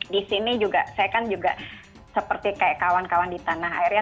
di sini juga saya kan juga seperti kayak kawan kawan di tanah air ya